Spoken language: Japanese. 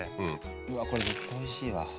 うわこれ絶対おいしいわ。